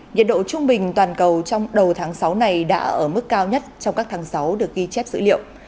nhiệt độ trung bình toàn cầu trong đầu tháng sáu này đã ở mức cao nhất trong các tháng sáu được ghi chép dữ liệu